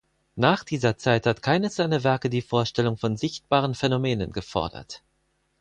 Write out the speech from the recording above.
Nach dieser Zeit hat keines seiner Werke die Vorstellung von sichtbaren Phänomenen gefordert.